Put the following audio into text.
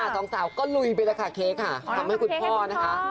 สองสาวก็ลุยไปแล้วค่ะเค้กค่ะทำให้คุณพ่อนะคะ